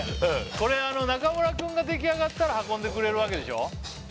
これ中村君が出来上がったら運んでくれるわけでしょ？